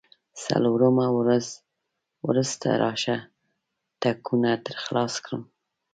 څلورمه ورځ وروسته راشه، ټکونه درخلاص کړم.